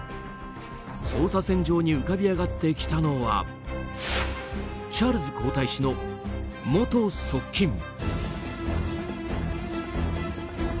捜査線上に浮かび上がってきたのはチャールズ皇太子の元側近。